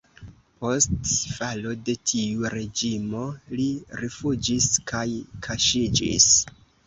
Post falo de tiu reĝimo li rifuĝis kaj kaŝiĝis.